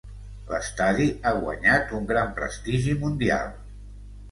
L'estadi ha guanyat un gran prestigi mundial.